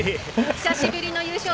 久しぶりの優勝